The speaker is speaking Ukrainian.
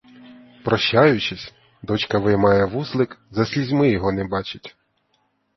Прощаючись, дочка виймає вузлик, за слізьми його не бачить.